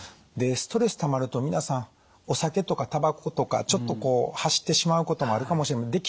でストレスたまると皆さんお酒とかタバコとかちょっとこう走ってしまうこともあるかもしれません。